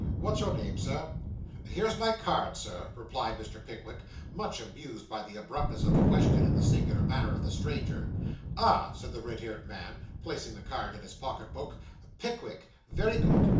What's your name, sir?' 'Here is my card, sir,' replied Mr. Pickwick, much amused by the abruptness of the question, and the singular manner of the stranger. 'Ah,' said the red haired man, placing the card in his pocket book, 'Pickwick; very good.